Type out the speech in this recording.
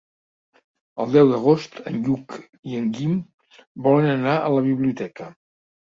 El deu d'agost en Lluc i en Guim volen anar a la biblioteca.